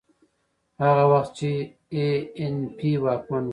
هغه وخت چې اي این پي واکمن و.